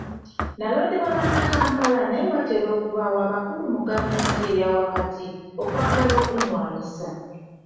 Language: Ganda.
Nalondebwa bannakampala naye watera okubeerawo abakulu mu gavumenti eyawakati okwagala okunwanyisa.